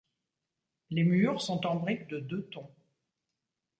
Les murs sont en briques de deux tons.